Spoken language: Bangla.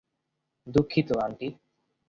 দুঃখিত, আন্টি।